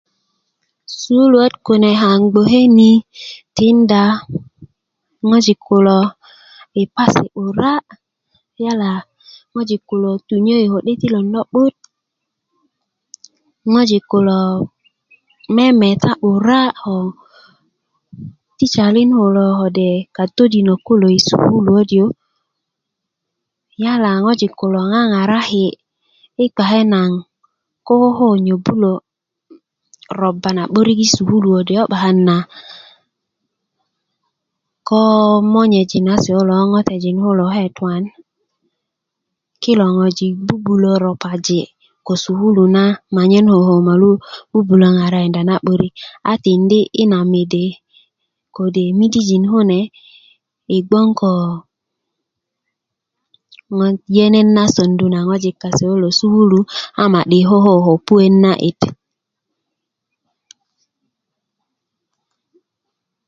sukuluwöt kune kaŋ gboke ni tiinda ŋojik kulo yi pasi 'bura yala ŋojik kulo tunyöyi ko 'dötilön lo'but ŋojik kulo memeta 'bura ko tisalin kulo ko de katodinök kulu yi sukuluwöt yu yala ŋojik kulo ŋaŋaraki yi kpake naŋ ko ko nyobulö roba na 'börik yi sukuluwön yu ko 'bakan na ko monyejin kase kulo ko ŋotejin kulo ko ke tuwan kilo ŋojik bubulö ropaji ko sukulu na manyen ko bubulö ŋarakinda na 'börik a tindi yi na mede kune yi gboŋ ko yenet na sondu na ŋojik kulo yi sukulu a ma'di ko ko ko puwet na 'dit